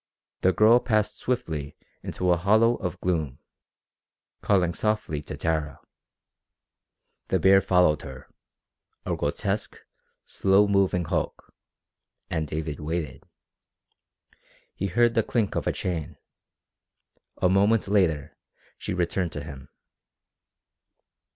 The girl passed swiftly into a hollow of gloom, calling softly to Tara. The bear followed her, a grotesque, slowly moving hulk, and David waited. He heard the clink of a chain. A moment later she returned to him.